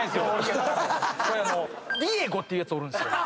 ディエゴっていうやつおるんすよね。